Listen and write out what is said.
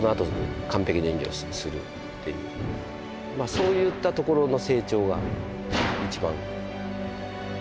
そういったところの成長が一番。